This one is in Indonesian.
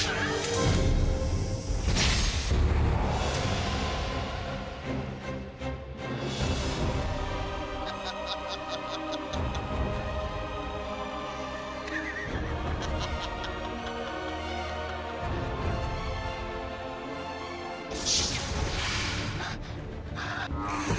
ayo cepet keluar